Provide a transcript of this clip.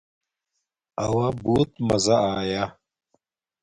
اݸݳ بُݸت مزہ آیݳ.